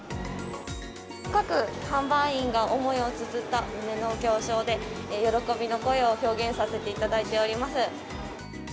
各販売員が思いをつづった胸の胸章で、喜びの声を表現させていただいております。